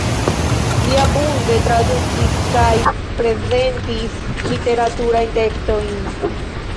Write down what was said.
Li abunde tradukis kaj prezentis literaturajn tekstojn.